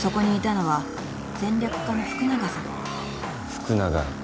福永。